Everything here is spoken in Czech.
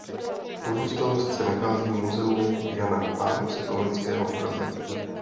Pozůstalost se nachází v muzeu Jana Amose Komenského v Praze.